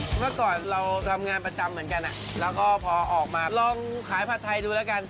เมื่อก่อนเราทำงานประจำเหมือนกันแล้วก็พอออกมาลองขายผัดไทยดูแล้วกัน